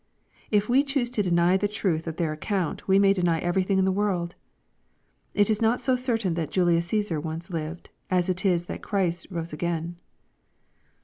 If we choose to deny the truth of their account we may deny everything in the world. It is not so certain that Julius CaBsar once lived, as it is that Christ rose again.